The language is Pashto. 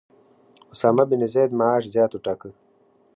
اسامه بن زید معاش زیات وټاکه.